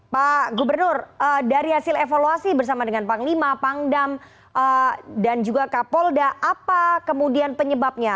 pak gubernur dari hasil evaluasi bersama dengan panglima pangdam dan juga kapolda apa kemudian penyebabnya